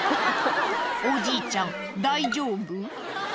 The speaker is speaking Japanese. おじいちゃん大丈夫？